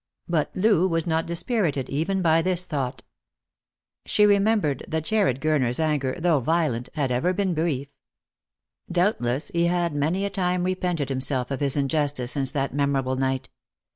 But Loo was not dispirited even by this thought. She remembered that Jarred Gurner's anger, though violent, had ever been brief. Doubtless he had many a time repented himself of his injustice since that memorable night.